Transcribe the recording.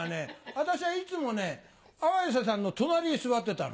私はいつもね綾瀬さんの隣に座ってたの。